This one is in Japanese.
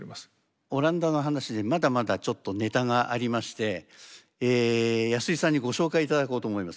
オランダの話でまだまだちょっとネタがありましてえ安居さんにご紹介頂こうと思います。